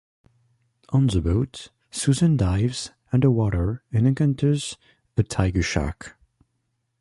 On the boat, Susan dives underwater and encounters a tiger shark.